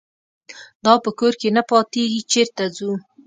دا په کور کې نه پاتېږي چېرته ځو.